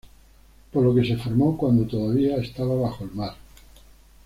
Por lo que se formó cuando todavía, estaba bajo el mar.